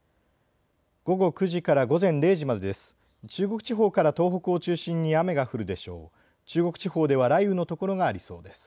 午後９時から午前０時までです。